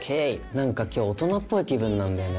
何か今日大人っぽい気分なんだよね